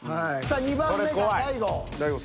さあ２番目が大悟。